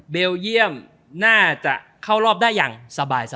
เยี่ยมน่าจะเข้ารอบได้อย่างสบาย